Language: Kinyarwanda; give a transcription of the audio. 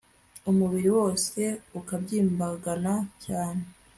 umubiri, wose ukabyimbagana cyane